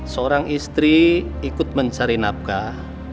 seorang istri ikut mencari nafkah